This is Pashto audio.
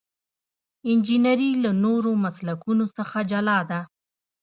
انجنیری له نورو مسلکونو څخه جلا ده.